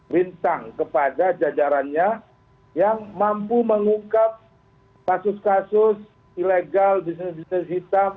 bintang kepada jajarannya yang mampu mengungkap kasus kasus ilegal di sinis sinis hitam